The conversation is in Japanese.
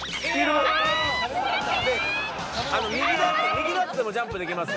右のやつでもジャンプできます。